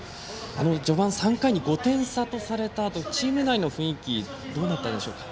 序盤３回に５点差とされたあとチーム内の雰囲気どうだったんでしょうか？